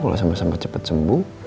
kalau sama sama cepat sembuh